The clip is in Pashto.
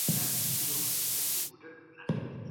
امیر دوست محمد خان ملاتړ ترلاسه کړ